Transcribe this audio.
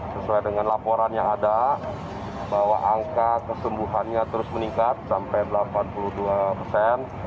sesuai dengan laporan yang ada bahwa angka kesembuhannya terus meningkat sampai delapan puluh dua persen